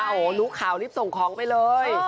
โหลุคข่าวรีบส่งของไปเลย